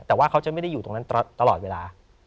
แต่ว่าเขาจะไม่ได้อยู่ตรงนั้นตลอดเวลา